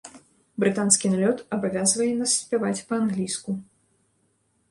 Брытанскі налёт абавязвае нас спяваць па-англійску.